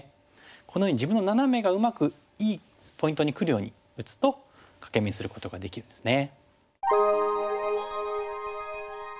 このように自分のナナメがうまくいいポイントにくるように打つと欠け眼にすることができるんですね。